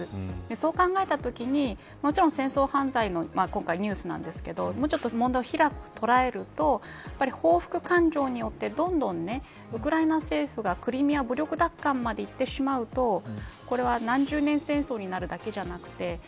そう考えたときにもちろん戦争犯罪の今回ニュースなんですけどもうちょっと問題を広く捉えると報復感情によってどんどんウクライナ政府がクリミア武力奪還までいってしまうとこれは何十年戦争になるだけではなくてＮＡＴＯ